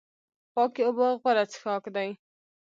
پاکې اوبه غوره څښاک دی